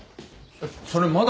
それまだ。